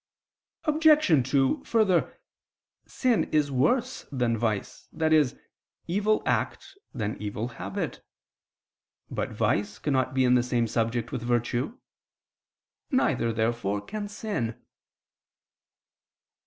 Obj. 2: Further, sin is worse than vice, i.e. evil act than evil habit. But vice cannot be in the same subject with virtue: neither, therefore, can sin.